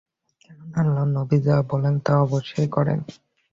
কেননা, আল্লাহর নবী যা বলেন তা অবশ্যই করেন।